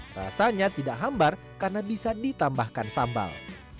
rasanya tidak hambar karena bisa ditambahkan sambal